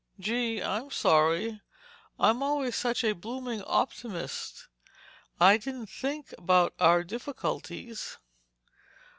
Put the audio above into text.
"Gee, I'm sorry. I'm always such a blooming optimist—I didn't think about our real difficulties."